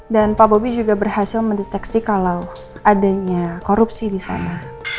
dan pak bobby juga berhasil mendeteksi kalau adanya korupsi di sana